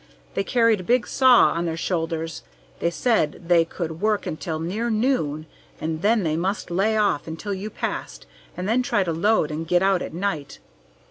They carried a big saw on their shoulders. They said they could work until near noon, and then they must lay off until you passed and then try to load and get out at night.